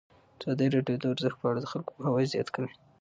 ازادي راډیو د ورزش په اړه د خلکو پوهاوی زیات کړی.